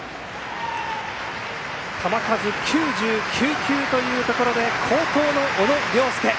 球数、９９球というところで好投の小野涼介